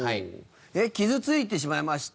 傷ついてしまいました